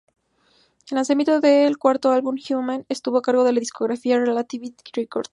El lanzamiento del cuarto álbum, "Human", estuvo a cargo de la discográfica Relativity Records.